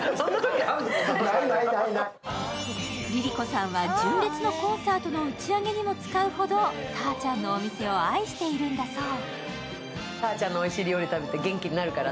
ＬｉＬｉＣｏさんは純烈のコンサートにも使うほどタァちゃんのお店を愛しているんだそう。